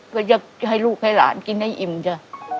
ก็อยากให้ลูกให้หลานกินให้อิ่มจ้ะ